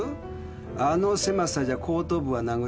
あの狭さじゃ後頭部は殴れません。